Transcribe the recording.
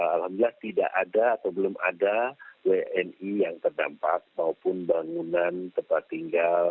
alhamdulillah tidak ada atau belum ada wni yang terdampak maupun bangunan tempat tinggal